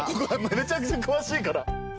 めちゃくちゃ詳しいから。